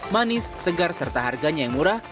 manis segar serta harganya yang murah